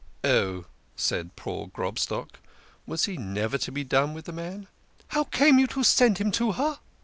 " Oh !" said poor Grobstock. Was he never to be done with the man? " How came you to send him to her?"